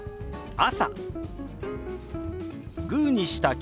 「朝」。